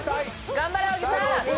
頑張れ小木さん！